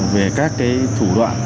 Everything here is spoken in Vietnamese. về các thủ đoạn